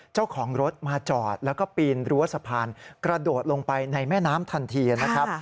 เจ้าของรถมาจอดแล้วก็ปีนรั้วสะพานกระโดดลงไปในแม่น้ำทันทีนะครับ